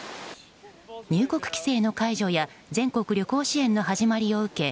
入国規制の解除や全国旅行支援の始まりを受け